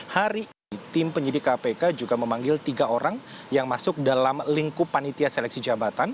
hari ini tim penyidik kpk juga memanggil tiga orang yang masuk dalam lingkup panitia seleksi jabatan